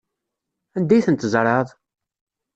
Anda ay tent-tzerɛeḍ?